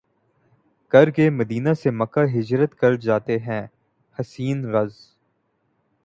کرکے مدینہ سے مکہ ہجرت کر جاتے ہیں حسین رض